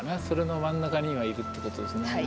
それの真ん中に今いるってことですね。